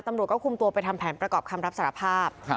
ตำรวจก็คุมตัวไปทำแผนประกอบคำรับสารภาพ